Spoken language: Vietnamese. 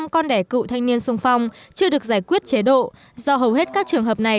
một trăm linh con đẻ cựu thanh niên sung phong chưa được giải quyết chế độ do hầu hết các trường hợp này